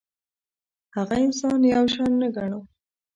هغه انسان یو شان نه ګڼو.